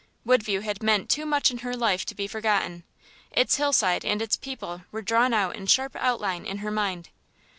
Woodview had meant too much in her life to be forgotten; its hillside and its people were drawn out in sharp outline on her mind.